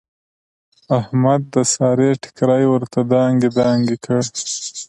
احمد د سارې ټیکری ورته دانګې دانګې کړ.